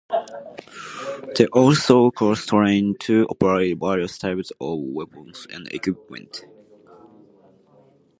They are also cross-trained to operate various types of weapons and equipment.